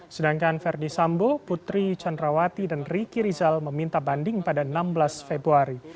sedangkan verdi sambo putri candrawati dan riki rizal meminta banding pada enam belas februari